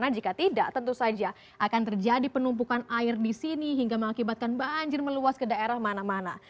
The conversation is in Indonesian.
jika tidak tentu saja akan terjadi penumpukan air di sini hingga mengakibatkan banjir meluas ke daerah mana mana